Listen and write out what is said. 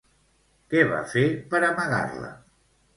Què va fer per amagar-la?